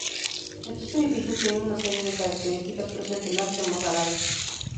Estos edificios tienen una serie de características propias del arte mozárabe.